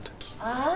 ああ！